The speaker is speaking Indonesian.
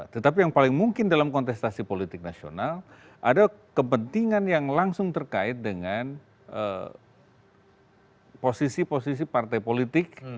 tetapi yang paling mungkin dalam kontestasi politik nasional ada kepentingan yang langsung terkait dengan posisi posisi partai politik